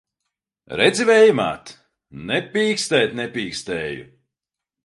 Redzi, Vēja māt! Ne pīkstēt nepīkstēju!